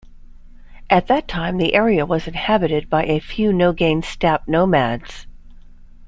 At that time the area was inhabited by a few Nogain steppe nomads.